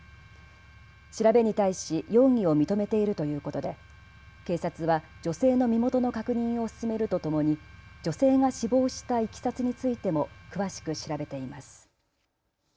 調べに対し容疑を認めているということで警察は女性の身元の確認を進めるとともに女性が死亡したいきさつについても詳しく調べています。